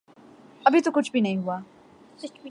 ابھی تو کچھ بھی نہیں ہوا۔